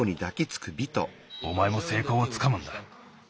おまえもせいこうをつかむんだ。